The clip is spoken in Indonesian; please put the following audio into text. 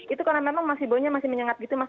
itu karena memang masih baunya masih menyengat gitu mas